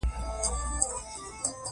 د فرانسې د نفوذ مخه ونیسي.